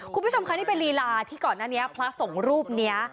คุณผู้ชมค่ะนี่เป็นลีลาที่ก่อนหน้านี้พระสงฆ์รูปนี้